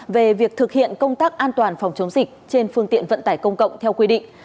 về việc thực hiện công tác an toàn phòng chống dịch trên phương tiện vận tải công cộng theo quy định